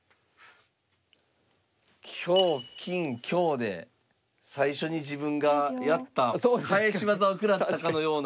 香金香で最初に自分がやった返し技を食らったかのような。